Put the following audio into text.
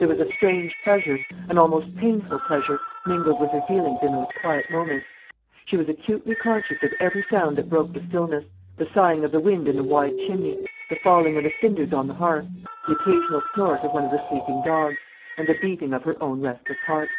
There was a strange pleasure, an almost painful pleasure, mingled with her feelings in those quiet moments. She was acutely conscious of every sound that broke the stillness the sighing of the wind in the wide chimney; the falling of the cinders on the hearth; the occasional snort of one of the sleeping dogs; and the beating of her own restless heart.